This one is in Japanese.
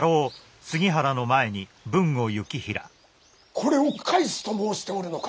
これを返すと申しておるのか？